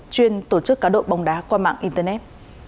chuyên tổ chức cá độ bóng đá qua mạng internet